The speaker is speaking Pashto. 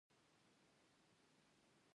دوی د خامو موادو بیې ټاکي.